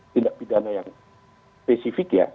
tindak pidana yang spesifik ya